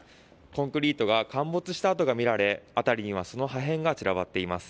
コンクリートが陥没した跡が見られ辺りにはその破片が散らばっています。